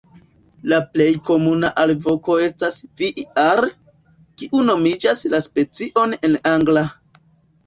La plej komuna alvoko estas "vii-ar", kiu nomigas la specion en angla.